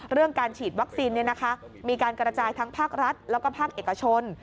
เรื่องการฉีดวัคซีนมีการกระจายทั้งภาครัฐแล้วก็ภาคเอกชน